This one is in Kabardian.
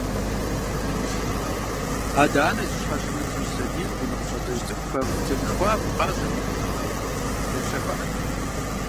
Адэ-анэ зыщхьэщымытыж сэбийр, гъунэгъу щалэжь цӏыкӏухэм тегушхуэгъуафӏэ къащӏырт, къепщэфыӏэрт.